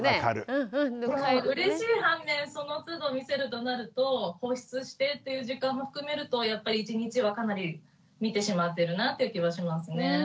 うれしい反面そのつど見せるとなると保湿してっていう時間も含めるとやっぱり一日はかなり見てしまってるなっていう気はしますね。